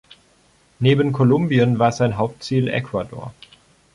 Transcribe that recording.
Neben Kolumbien war sein Hauptziel Ecuador.